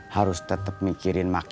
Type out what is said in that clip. harus tetap mikirin makanan